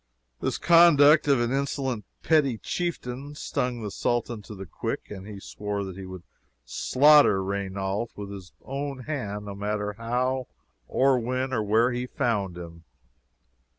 This conduct of an insolent petty chieftain stung the Sultan to the quick, and he swore that he would slaughter Raynauld with his own hand, no matter how, or when, or where he found him.